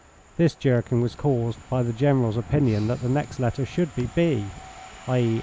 This jerking was caused by the General's opinion that the next letter should be b, i.e.